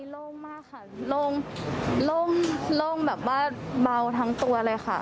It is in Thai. โล่งมากค่ะโล่งแบบว่าเบาทั้งตัวเลยค่ะ